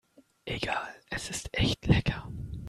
Egal, es ist echt lecker.